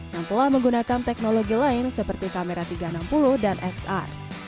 dan menggunakan teknologi lain seperti kamera tiga ratus enam puluh dan xr